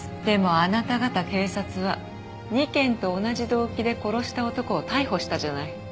でもあなた方警察は２件と同じ動機で殺した男を逮捕したじゃない。